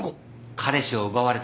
彼氏を奪われた